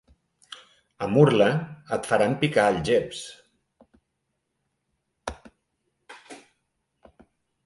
A Murla? Et faran picar algeps.